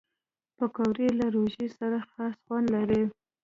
پکورې له روژې سره خاص خوند لري